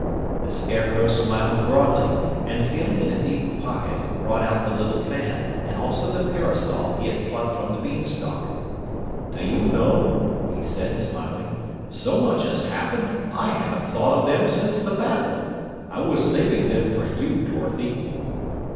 The Scarecrow smiled broadly, and feeling in a deep pocket brought out the little fan and also the parasol he had plucked from the beanstalk. "Do you know," he said smiling, "so much has happened I haven't thought of them since the battle. I was saving them for you, Dorothy."